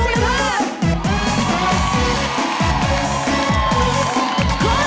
เสียบรรยาภาพ